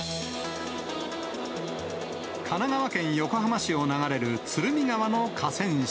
神奈川県横浜市を流れる鶴見川の河川敷。